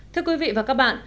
thưa quý vị và các bạn